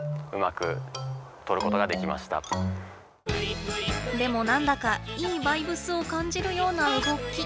でも何だかいいバイブスを感じるような動き。